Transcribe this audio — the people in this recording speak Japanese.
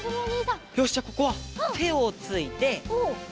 よしじゃあここはてをついて。